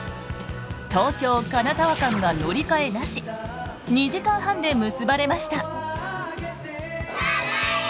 東京金沢間が乗り換えなし２時間半で結ばれました。